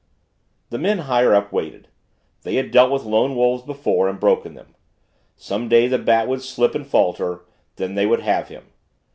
The men higher up waited. They had dealt with lone wolves before and broken them. Some day the Bat would slip and falter; then they would have him.